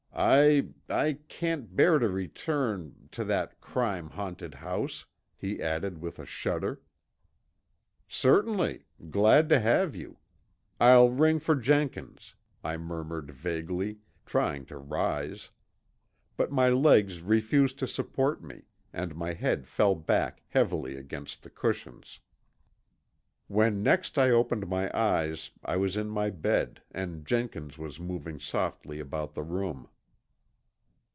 "I I can't bear to return to that crime haunted house," he added with a shudder. "Certainly. Glad to have you. I'll ring for Jenkins," I murmured vaguely, trying to rise. But my legs refused to support me and my head fell back heavily against the cushions. When next I opened my eyes I was in my bed and Jenkins was moving softly about the room.